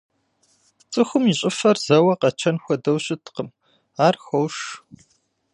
Цӏыхум и щӏыфэр зэуэ къэчэн хуэдэу щыткъым, ар хош.